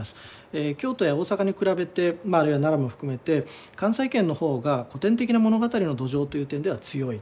京都や大阪に比べてあるいは長野も含めて関西圏の方が古典的な物語の土壌という点では強い。